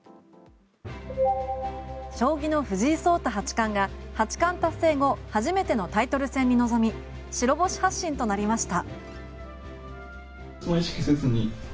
将棋の藤井聡太八冠が八冠達成後初めてのタイトル戦に臨み白星発進となりました。